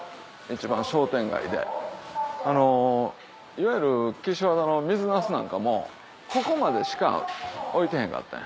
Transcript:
いわゆる岸和田の水なすなんかもここまでしか置いてへんかった。